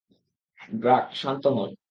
ড্রাক, শান্ত হোন।